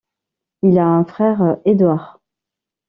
Il a un frère Édouard.